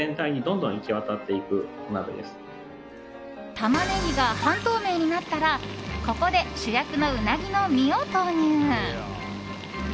タマネギが半透明になったらここで主役のうなぎの身を投入。